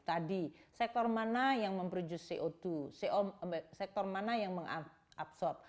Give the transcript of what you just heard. tadi sektor mana yang memproduce co dua sektor mana yang mengabsorb